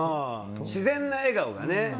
自然な笑顔がね。